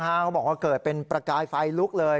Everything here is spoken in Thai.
เขาบอกว่าเกิดเป็นประกายไฟลุกเลย